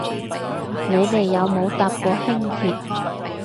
你哋有冇搭過輕鐵